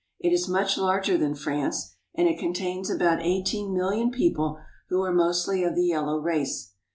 It is much larger than France, and it contains about eighteen million people, who are mostly of the yellow race.